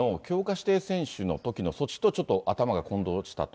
指定選手のときの措置と、ちょっと頭が混同したと。